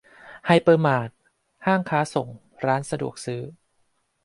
- ไฮเปอร์มาร์ต ห้างค้าส่ง ร้านสะดวกซื้อ